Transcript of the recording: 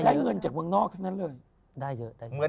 ได้เงินจากเมืองนอกนั้นเลย